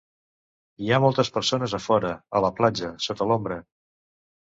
Hi ha moltes persones a fora, a la platja, sota l'ombra.